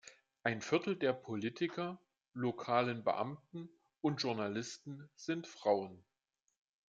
Ein Viertel der Politiker, lokalen Beamten und Journalisten sind Frauen.